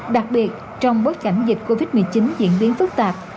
đặc biệt trong bối cảnh dịch covid một mươi chín diễn biến phức tạp